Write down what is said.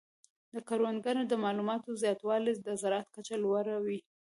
د کروندګرو د معلوماتو زیاتوالی د زراعت کچه لوړه وي.